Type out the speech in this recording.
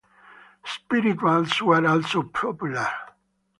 Spirituals were also popular.